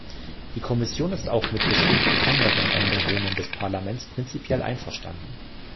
Die Kommission ist auch mit bestimmten anderen Änderungen des Parlaments prinzipiell einverstanden.